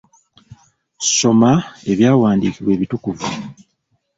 Soma ebyawandiikibwa ebitukuvu